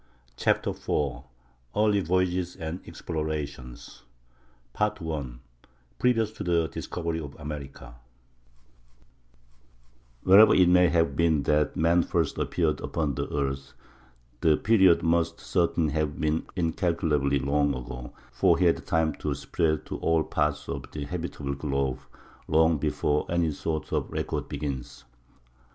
] CHAPTER IV EARLY VOYAGES AND EXPLORATIONS PART I—PREVIOUS TO THE DISCOVERY OF AMERICA Wherever it may have been that man first appeared upon the earth, the period must certainly have been incalculably long ago, for he had time to spread to all parts of the habitable globe long before any sort of record begins.